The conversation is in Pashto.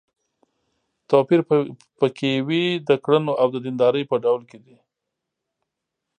توپير په کې وي د کړنو او د دیندارۍ په ډول کې دی.